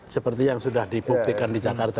seperti yang sudah dibuktikan di jakarta